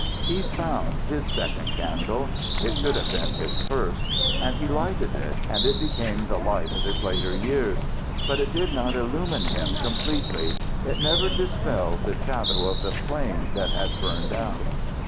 He found his second candle, it should have been his first, and he lighted it and it became the light of his later years; but it did not illumine him completely, it never dispelled the shadows of the flame that had burned out.